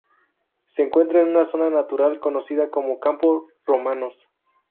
Se encuentra en una zona natural conocida como Campo Romanos.